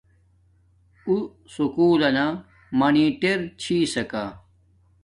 اُو سکُول لنا مانیٹر چھسکا